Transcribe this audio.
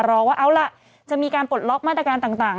รอว่าเอาล่ะจะมีการปลดล็อกมาตรการต่าง